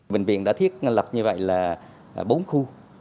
bệnh viện đã thiết lập như vậy là bốn khu